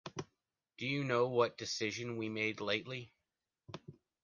Do you know what decision we made lately?